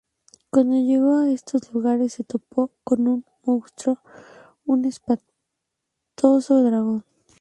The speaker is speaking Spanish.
Cuando llegó a estos lugares se topó con un monstruo, un espantoso dragón.